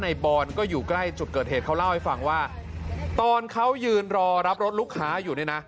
บอนก็อยู่ใกล้จุดเกิดเหตุเขาเล่าให้ฟังว่าตอนเขายืนรอรับรถลูกค้าอยู่เนี่ยนะ